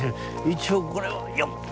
一応これはよっ！